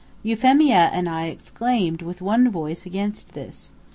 Euphemia and I exclaimed, with one voice, against this.